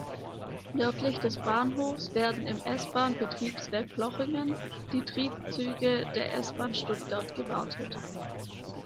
Nördlich des Bahnhofs werden im S-Bahn-Betriebswerk Plochingen die Triebzüge der S-Bahn Stuttgart gewartet.